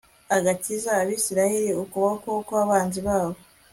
agakiza abisirayeli ukuboko kw abanzi babo